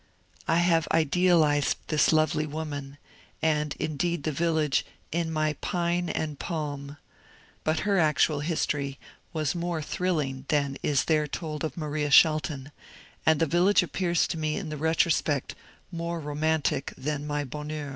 I have idealized this lovely woman, and indeed the village, in my ^^ Pine and Palm," but her actual history was more thrilling than is there told of Maria Shelton, and the village appears to me in the retrospect more romantic than my Bonheur.